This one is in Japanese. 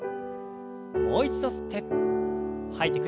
もう一度吸って吐いて。